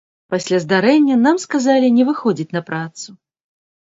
Пасля здарэння нам сказалі не выходзіць на працу.